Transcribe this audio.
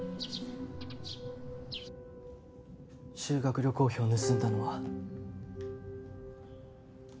修学旅行費を盗んだのは。